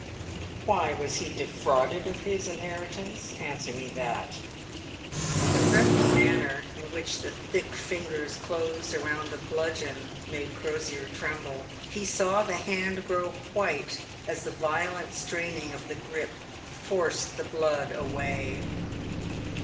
Why was he defrauded of his inheritance ? Answer me that." The threatening manner in which the thick fingers closed around the bludgeon made Crosier tremble. He saw the hand grow white as the violent straining of the grip forced the blood away.